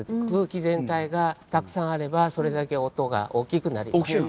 空気全体がたくさんあればそれだけ音が大きくなります。